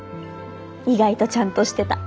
意外とちゃんとしてた。